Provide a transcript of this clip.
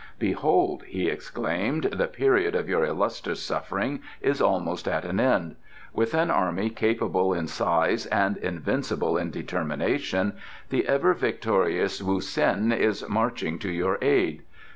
"Behold!" he exclaimed, "the period of your illustrious suffering is almost at an end. With an army capable in size and invincible in determination, the ever victorious Wu Sien is marching to your aid.